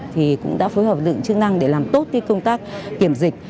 thì cũng đã phối hợp với lượng chức năng để làm tốt công tác kiểm dịch